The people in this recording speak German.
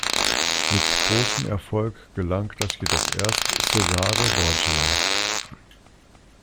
Mit großem Erfolg gelang das jedoch erst Cesare Borgia.